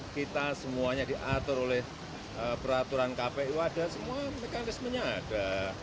kita semuanya diatur oleh peraturan kpu ada semua mekanismenya ada